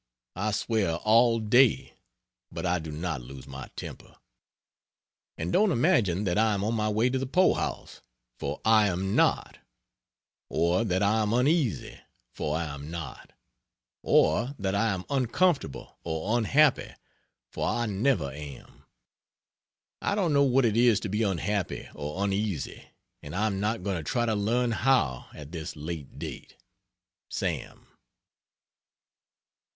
I swear all day, but I do not lose my temper. And don't imagine that I am on my way to the poorhouse, for I am not; or that I am uneasy, for I am not; or that I am uncomfortable or unhappy for I never am. I don't know what it is to be unhappy or uneasy; and I am not going to try to learn how, at this late day. SAM.